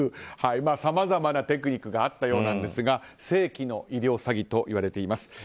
さまざまなテクニックがあったようなんですが世紀の医療詐欺といわれています。